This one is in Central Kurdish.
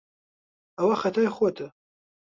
ئەوە خەتای خۆتە.